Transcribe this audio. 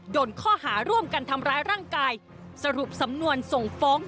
โดนข้อหาร่วมกันทำร้ายร่างกายสรุปสำนวนส่งฟ้อง